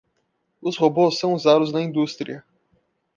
Os robôs são usados na indústria